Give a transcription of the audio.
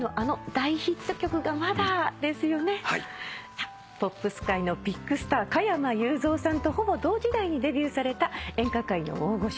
さあポップス界のビッグスター加山雄三さんとほぼ同時代にデビューされた演歌界の大御所